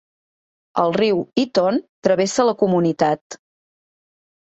El riu Iton travessa la comunitat.